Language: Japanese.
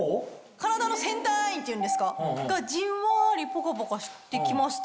体のセンターラインっていうんですかがじんわりポカポカしてきました。